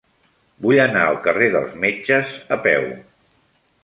Vull anar al carrer dels Metges a peu.